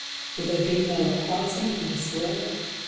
Will there be no uprising in this world